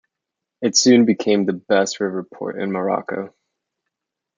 It soon became the best river port in Morocco.